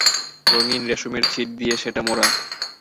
রঙিন রেশমের ছিট দিয়ে সেটা মোড়া।